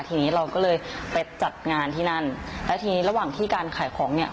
ทีนี้เราก็เลยไปจัดงานที่นั่นแล้วทีนี้ระหว่างที่การขายของเนี่ย